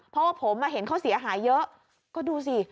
เพราะว่าผมเห็นเขาเสียหายเยอะก็ดูสิ